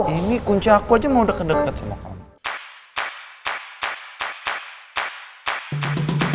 ini kunci aku aja mau deket deketan sama kamu